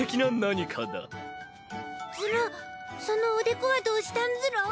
そのおでこはどうしたんズラ？